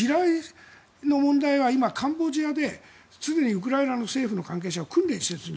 それから、地雷の問題は今、カンボジアで常にウクライナ政府の関係者が訓練してるんです